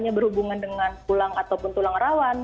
hanya berhubungan dengan tulang ataupun tulang rawan